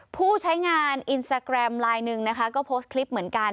ผู้ใช้งานอินสตาแกรมไลน์หนึ่งนะคะก็โพสต์คลิปเหมือนกัน